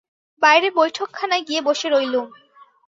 বাইরে বৈঠকখানায় গিয়ে বসে রইলুম।